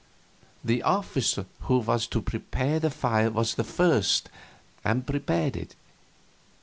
The officer who was to prepare the fire was there first, and prepared it.